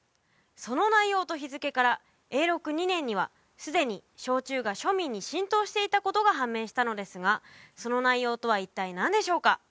その内容と日付から永禄２年にはすでに焼酎が庶民に浸透していたことが判明したのですがその内容とは一体何でしょうか？